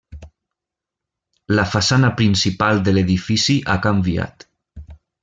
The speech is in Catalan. La façana principal de l'edifici ha canviat.